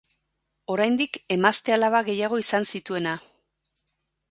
Oraindik emazte-alaba gehiago izan zituena.